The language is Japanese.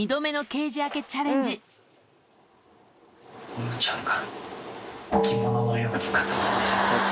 翌日むぅちゃんが置き物のように固まってる。